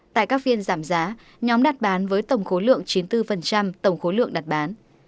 tại các phiên giảm giá nhóm đặt bán với tổng khối lượng chín mươi bốn tổng khối lượng đặt bán